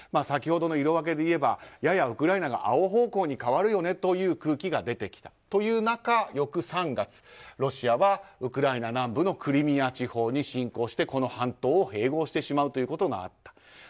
先ほどの色分けでいえばややウクライナが青方向に変わるよねという空気が出てきたという中という中、翌３月、ロシアはウクライナ南部のクリミア地方に侵攻してこの半島を併合してしまうことがあった。